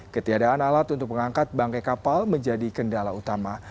ketiadaan alat untuk pengangkat bangke kapal menjadi kendala utama